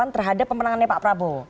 terhadap pemenangannya pak prabowo